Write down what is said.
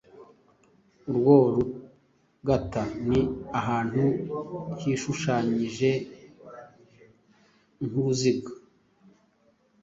Urwo rugata ni ahantu hishushanyije nk’uruziga,